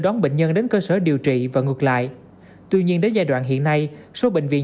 đón bệnh nhân đến cơ sở điều trị và ngược lại tuy nhiên đến giai đoạn hiện nay số bệnh viện